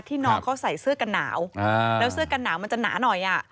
น้องเขาใส่เสื้อกันหนาวแล้วเสื้อกันหนาวมันจะหนาหน่อย